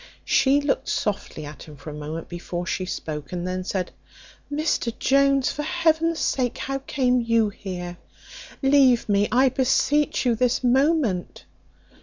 She looked softly at him for a moment before she spoke, and then said, "Mr Jones, for Heaven's sake how came you here? Leave me, I beseech you, this moment."